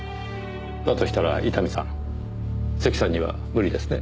だとしたら伊丹さん関さんには無理ですね。